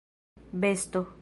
besto